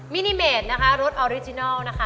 มินิเมดนะคะรถออริจินัลนะคะ